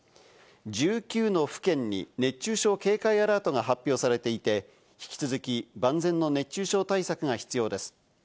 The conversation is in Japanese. １９の府県に熱中症警戒アラートが発表されていて、引き続き万全の熱中症対策が必要です。